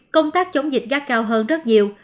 công tác chống dịch gác cao hơn rất nhiều